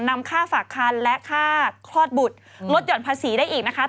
นำค่าฝากคันและค่าคลอดบุตรลดหย่อนภาษีได้อีกนะคะ